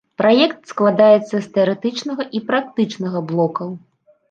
Праект складаецца з тэарэтычнага і практычнага блокаў.